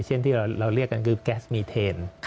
เช่นที่เราเรียกกันคือแก๊สมีเทน